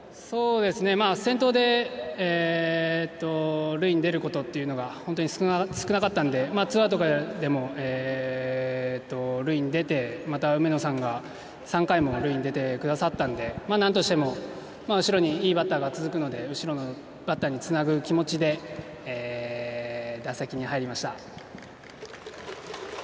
先頭で塁に出ることというのが本当に少なかったのでツーアウトからでも塁に出て、また梅野さんが３回も塁に出てくださったのでなんとしても後ろにいいバッターが続くので後ろのバッターにつなぐ気持ちで打席に入りました。